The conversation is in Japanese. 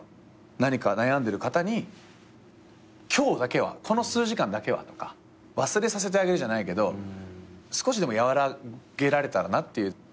何か悩んでる方に今日だけはこの数時間だけはとか忘れさせてあげるじゃないけど少しでも和らげられたらなっていう。